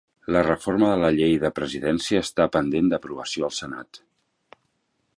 La reforma de la llei de presidència està pendent d'aprovació al Senat